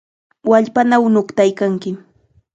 ¡Wallpanaw nuqtaykanki!